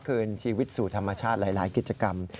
คืนชีวิตสู่ธรรมชาติหลายกิจกรรม